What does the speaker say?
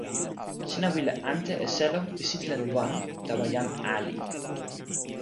sina wile ante e selo pi sitelen wan tawa jan ali.